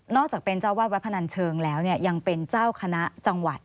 อกจากเป็นเจ้าวาดวัดพนันเชิงแล้วยังเป็นเจ้าคณะจังหวัด